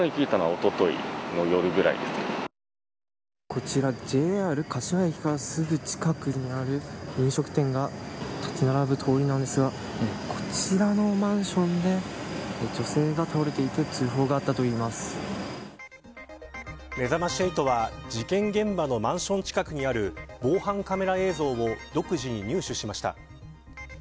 こちらＪＲ柏駅からすぐ近くにある飲食店が建ち並ぶ通りなんですがこちらのマンションで女性が倒れていてめざまし８は事件現場のマンション近くにある防犯カメラ映像を独自に入手しました。